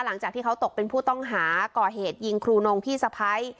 หลังจากที่เขาตกเป็นผู้ต้องหาก่อเหตุยิงครูนงพี่สะพ้าย